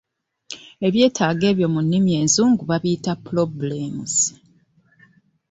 Ebyetaago ebyo mu nnimi enzungu babiyita 'Problems' .